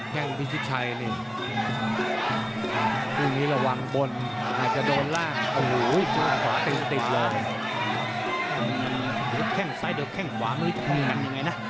แค่ขวามือจบแบบนี้ไงนะ